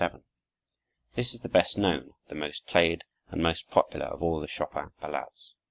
47 This is the best known, the most played, and most popular of all the Chopin ballades.